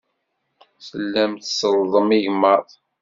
Tellam tsellḍem igmaḍ.